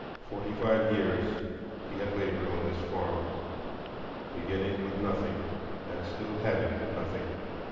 Forty five years he had labored on this farm, beginning with nothing, and still having nothing.